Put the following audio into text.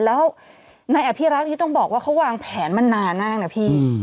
แล้วนายอภิรักษ์นี่ต้องบอกว่าเขาวางแผนมานานมากนะพี่